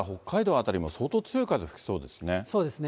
辺りも相当強い風、吹きそうですね。